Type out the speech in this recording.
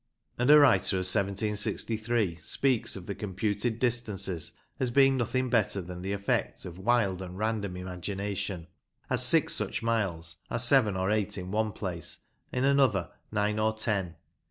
And a writer of 1763 speaks of the computed distances as being nothing better than the effect of wild and random imagination, as six such miles are seven or eight in one place, in another nine or ten.